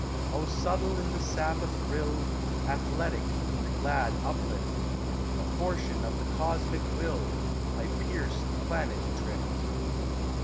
Oh subtle in the sap athrill, Athletic in the glad uplift, A portion of the Cosmic Will, I pierce the planet drift.